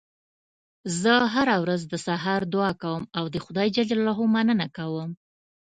زه هره ورځ د سهار دعا کوم او د خدای ج مننه کوم